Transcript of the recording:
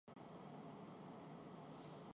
یوں لگتا تھا کہ جیسے کوئی بیش قیمت خزانہ ہاتھ لگا گیا